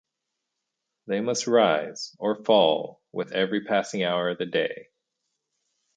They must rise or fall with every passing hour of the day.